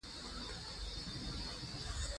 تنوع د افغان نجونو د پرمختګ لپاره فرصتونه برابروي.